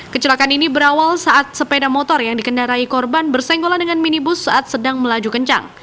kecelakaan ini berawal saat sepeda motor yang dikendarai korban bersenggolan dengan minibus saat sedang melaju kencang